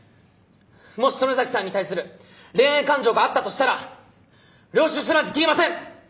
もし曽根崎さんに対する恋愛感情があったとしたら領収書なんて切りません！